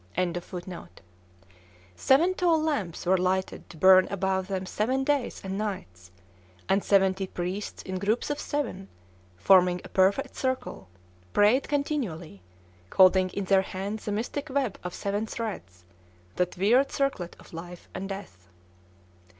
] seven tall lamps were lighted to burn above them seven days and nights, and seventy priests in groups of seven, forming a perfect circle, prayed continually, holding in their hands the mystic web of seven threads, that weird circlet of life and death.